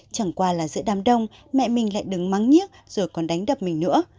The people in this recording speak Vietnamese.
chẳng qua là giữa đám đông mẹ mình lại đứng mắng nhếc rồi còn đánh đập mình nữa